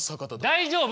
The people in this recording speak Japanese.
大丈夫？